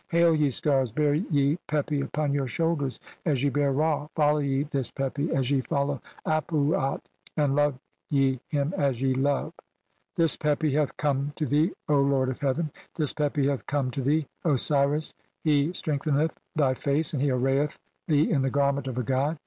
Hail, ye stars, bear ye Pepi upon your shoul "ders as ye bear Ra, follow ye this Pepi as ye fol "low Ap uat, and love ye him as ye love ....•" (188) "This Pepi hath come to thee, Lord of hea "ven, this Pepi hath come to thee, Osiris, he strengthen "eth thy face, and he arrayeth thee in the garment of a "god